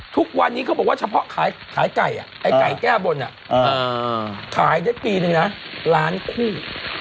ทุกวันนี้เขาบอกว่าเฉพาะขายไก่ไอ้ไก่แก้บนขายได้ปีนึงนะล้านคู่